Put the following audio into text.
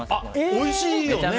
おいしいよね。